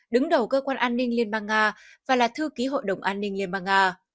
đứng đầu cơ quan an ninh liên bang nga và là thư ký hội đồng an ninh liên bang nga